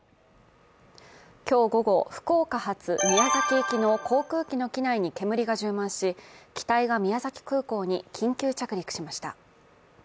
今日午後、福岡発宮崎行きの航空機の機内に煙が充満し機体が宮崎空港に緊急着陸しました。